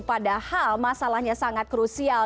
padahal masalahnya sangat krusial